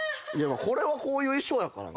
これはこういう衣装やからね。